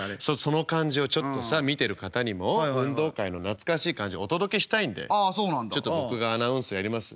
その感じをちょっとさ見てる方にも運動会の懐かしい感じお届けしたいんでちょっと僕がアナウンスやりますんで。